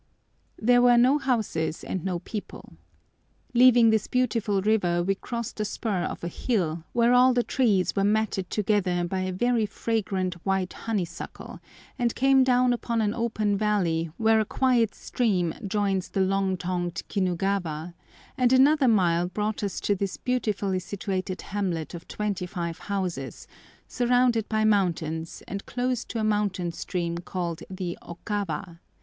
There were no houses and no people. Leaving this beautiful river we crossed a spur of a hill, where all the trees were matted together by a very fragrant white honeysuckle, and came down upon an open valley where a quiet stream joins the loud tongued Kinugawa, and another mile brought us to this beautifully situated hamlet of twenty five houses, surrounded by mountains, and close to a mountain stream called the Okawa.